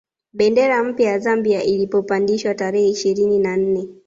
Bendera mpya ya Zambia ilipopandishwa tarehe ishirini na nne